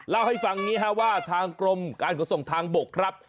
เล่าให้ฟังว่าทางกรมการขับส่งทางบอกครับ